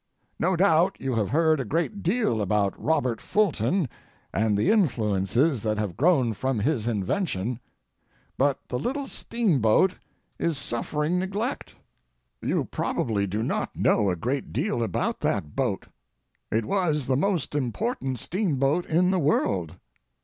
No doubt you have heard a great deal about Robert Fulton and the influences that have grown from his invention, but the little steamboat is suffering neglect. You probably do not know a great deal about that boat. It was the most important steamboat in the world.